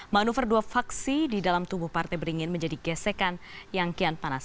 manuver dua faksi di dalam tubuh partai beringin menjadi gesekan yang kian panas